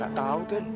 gak tau den